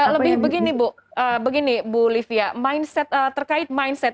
lebih begini bu begini bu livia terkait mindset